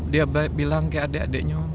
dia bilang ke adik adiknya